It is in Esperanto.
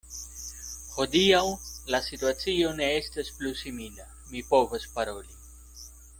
Hodiaŭ la situacio ne estas plu simila: mi povas paroli.